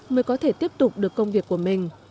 mới có thể tiếp tục được công việc của mình